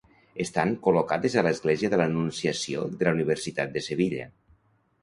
Estan col·locades a l'església de l'Anunciació de la universitat de Sevilla.